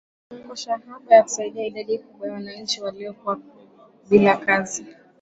kwa shabaha ya kusaidia idadi kubwa ya wananchi waliokuwa bila kazi